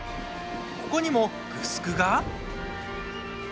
ここにも、グスクが？